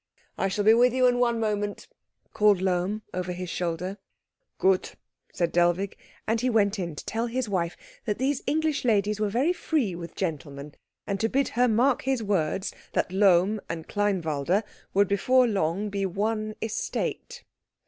"I shall be with you in one moment," called Lohm over his shoulder. "Gut," said Dellwig; and he went in to tell his wife that these English ladies were very free with gentlemen, and to bid her mark his words that Lohm and Kleinwalde would before long be one estate.